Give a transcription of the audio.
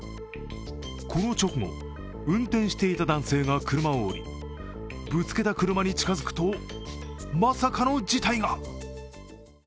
この直後、運転していた男性が車を降り、ぶつけた車に近づくとまさかの事態が。